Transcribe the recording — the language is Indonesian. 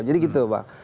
jadi gitu pak